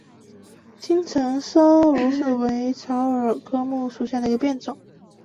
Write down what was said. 青城溲疏为虎耳草科溲疏属下的一个变种。